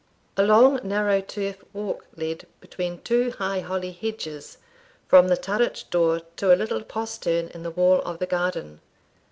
A long narrow turf walk led, between two high holly hedges, from the turret door to a little postern in the wall of the garden.